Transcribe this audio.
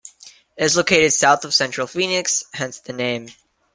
It is located south of central Phoenix, hence the name.